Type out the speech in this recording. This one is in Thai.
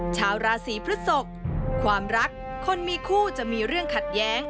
ชาวราศีพฤศกความรักคนมีคู่จะมีเรื่องขัดแย้ง